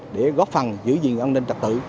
để góp phần giữ gìn an ninh trật tự